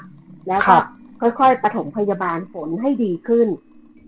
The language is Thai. ครับแล้วก็ค่อยประถงพยาบาลฝนให้ดีขึ้นอืม